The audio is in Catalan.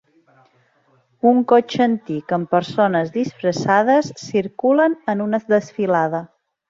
Un cotxe antic amb persones disfressades circulen en una desfilada.